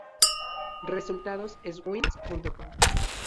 Resultados "Swimnews.com"